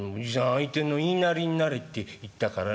『相手の言いなりになれ』って言ったからね。